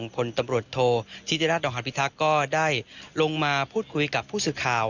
คุณตำรวจโทชิดิรัสตภิษฐก็ได้ลงมาพูดคุยกับผู้สื่อข่าว